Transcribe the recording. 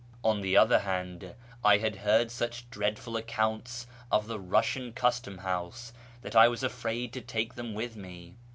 On the other hand, I had heard such dreadful accounts of the Eussian Custom house that I was afraid to take them with me.